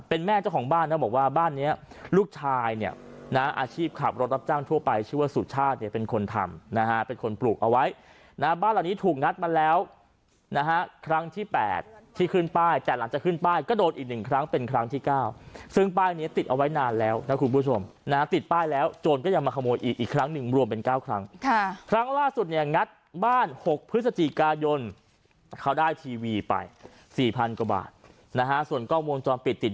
เป็นแม่เจ้าของบ้านแล้วบอกว่าบ้านเนี้ยลูกชายเนี้ยนะฮะอาชีพขับรถรับจ้างทั่วไปชื่อว่าสุชาติเนี้ยเป็นคนทำนะฮะเป็นคนปลูกเอาไว้นะฮะบ้านเหล่านี้ถูกงัดมาแล้วนะฮะครั้งที่แปดที่ขึ้นป้ายแต่หลังจะขึ้นป้ายก็โดดอีกหนึ่งครั้งเป็นครั้งที่เก้าซึ่งป้ายเนี้ยติดเอาไว้นานแล้วนะครับคุณผู้ชม